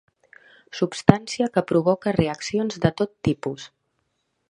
Substància que provoca reaccions de tot tipus.